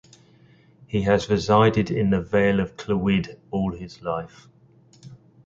He has resided in the Vale of Clwyd all his life.